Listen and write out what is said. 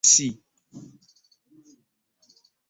Ono alaze okunyolwa olw'okusaanyaawo obutonde bw'ensi